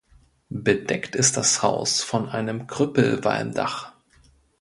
Bedeckt ist das Haus von einem Krüppelwalmdach.